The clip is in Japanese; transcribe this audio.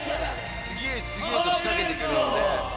次へ次へと仕掛けてくるので。